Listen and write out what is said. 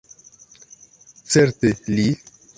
Certe, li.